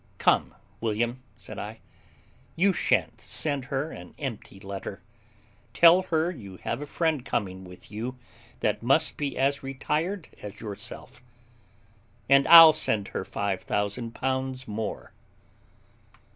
"Come, William," said I, "you shan't send her an empty letter; tell her you have a friend coming with you that must be as retired as yourself, and I'll send her five thousand pounds more."